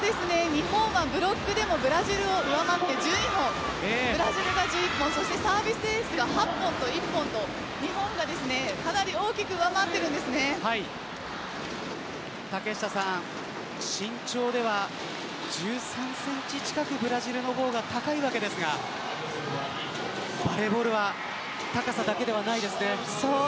日本はブロックでもブラジルを上回って１２本ブラジルが１１本サービスエースが８本と１本と日本がかなり大きく竹下さん身長では１３センチ近くブラジルの方が高いわけですがしかしバレーボールは高さだけではないですね。